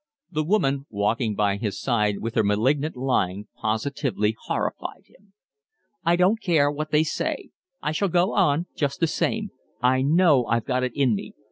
The woman walking by his side with her malignant lying positively horrified him. "I don't care what they say. I shall go on just the same. I know I've got it in me.